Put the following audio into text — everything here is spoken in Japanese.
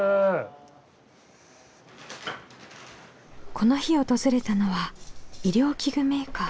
この日訪れたのは医療器具メーカー。